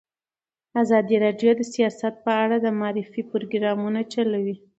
ازادي راډیو د سیاست په اړه د معارفې پروګرامونه چلولي.